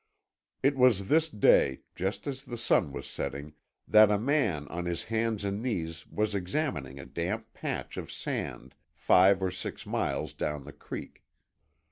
It was this day, just as the sun was setting, that a man on his hands and knees was examining a damp patch of sand five or six miles down the creek.